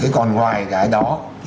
còn ngoài cái đó